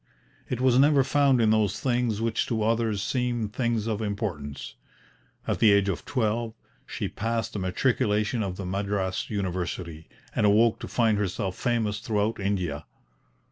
It was never found in those things which to others seemed things of importance. At the age of twelve she passed the Matriculation of the Madras University, and awoke to find herself famous throughout India.